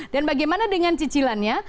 dan bagaimana dengan cicilannya